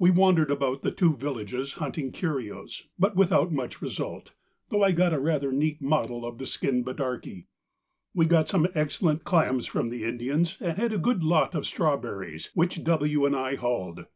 _—We wandered about the two villages hunting curios, but without much result, though I got a rather neat model of the skin bidarky. We got some excellent clams from the Indians, and a good lot of strawberries which W. and I hulled.